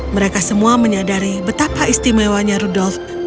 mereka semua menyadari betapa istimewanya rudolf